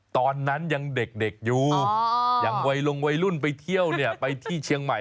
ตอนนั้นยังเด็กอยู่อย่างวัยลงวัยรุ่นไปเที่ยวเนี่ยไปที่เชียงใหม่